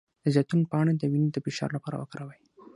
د زیتون پاڼې د وینې د فشار لپاره وکاروئ